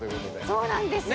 そうなんです。